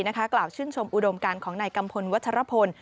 กล่าวชื่นชมอุดมการของนายกัมพลวัชรพล